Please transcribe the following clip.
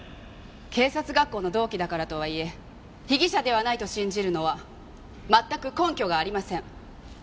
警察学校の同期だからとはいえ被疑者ではないと信じるのは全く根拠がありません。